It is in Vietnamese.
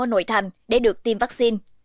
ở nội thành để được tiêm vaccine